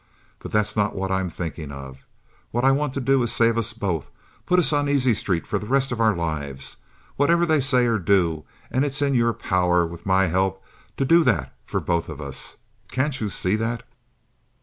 But that's not what I'm thinking of. What I want to do is to save us both—put us on easy street for the rest of our lives, whatever they say or do, and it's in your power, with my help, to do that for both of us. Can't you see that?